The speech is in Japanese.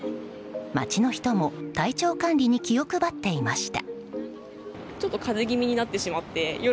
街の人も体調管理に気を配っていました。